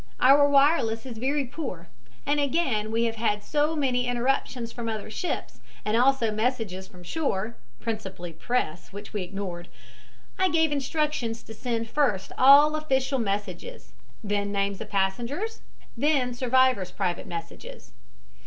Our wireless is very poor, and again we have had so many interruptions from other ships and also messages from shore (principally press, which we ignored). I gave instructions to send first all official messages, then names of passengers, then survivors' private messages.